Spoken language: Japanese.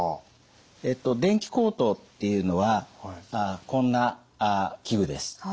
電気喉頭っていうのはこんな器具です。